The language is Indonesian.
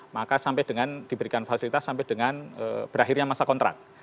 maka sampai dengan diberikan fasilitas sampai dengan berakhirnya masa kontrak